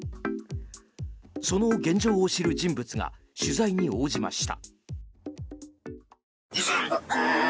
その現状を知る人物が取材に応じました。